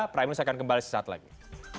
prime news akan kembali sesaat lagi